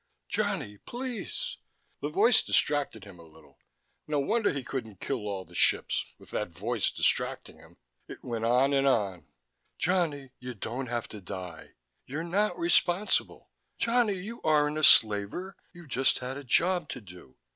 "Johnny, please...." The voice distracted him a little. No wonder he couldn't kill all the ships, with that voice distracting him. It went on and on: "Johnny, you don't have to die ... you're not responsible.... Johnny, you aren't a slaver, you just had a job to do....